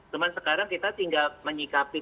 cuma sekarang kita tinggal menyikapi